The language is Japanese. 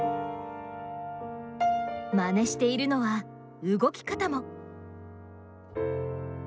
マネしているのは動き方も。